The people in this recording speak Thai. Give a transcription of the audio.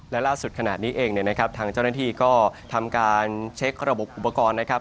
และล่าสุดขนาดนี้เองเนี่ยนะครับทางเจ้าหน้าที่ก็ทำการเช็คระบบอุปกรณ์นะครับ